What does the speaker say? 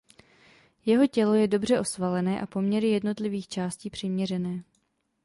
Jeho tělo je dobře osvalené a poměry jednotlivých částí přiměřené.